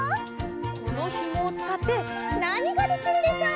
このひもをつかってなにができるでしょう？